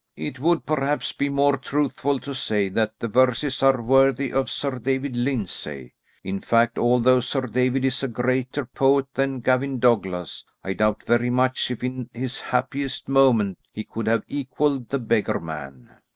"It would perhaps be more truthful to say that the verses are worthy of Sir David Lyndsay. In fact, although Sir David is a greater poet than Gavin Douglas, I doubt very much if in his happiest moments he could have equalled 'The Beggar Man.'"